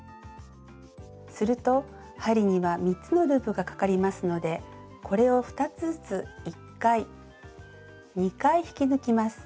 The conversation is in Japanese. すると針には３つのループがかかりますのでこれを２つずつ１回２回引き抜きます。